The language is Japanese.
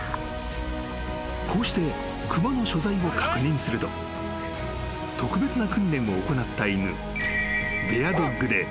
［こうして熊の所在を確認すると特別な訓練を行った犬］